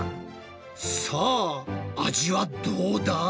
さあ味はどうだ？